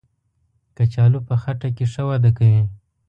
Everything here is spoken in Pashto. کچالو په خټه کې ښه وده کوي